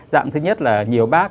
dạng thứ nhất là nhiều bác